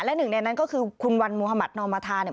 และ๑ในนั้นก็คือคุณวันมมมน